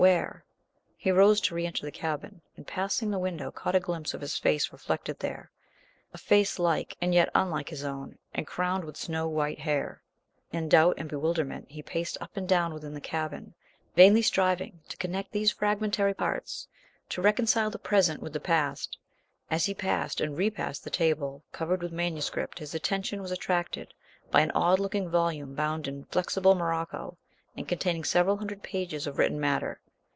where? He rose to re enter the cabin, and, passing the window, caught a glimpse of his face reflected there; a face like, and yet unlike, his own, and crowned with snow white hair! In doubt and bewilderment he paced up and down within the cabin, vainly striving to connect these fragmentary parts, to reconcile the present with the past. As he passed and repassed the table covered with manuscript his attention was attracted by an odd looking volume bound in flexible morocco and containing several hundred pages of written matter.